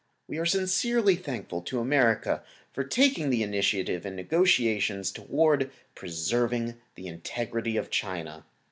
We are sincerely thankful to America for taking the initiative in negotiations toward preserving the integrity of China.